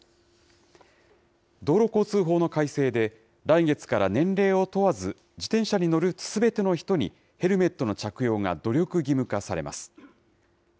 道路交通法の改正で、来月から年齢を問わず、自転車に乗るすべての人に、ヘルメットの着用が努力義務化されます。